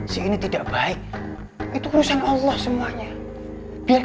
setidaknya kamu tahu mereka buruk